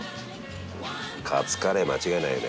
カツカレー間違いないよね。